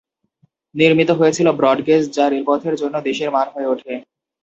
নির্মিত হয়েছিল ব্রডগেজ, যা রেলপথের জন্য দেশের মান হয়ে ওঠে।